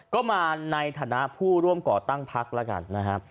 ก็มาในฐานะผู้ร่วมก่อตั้งพักแล้วกันนะครับ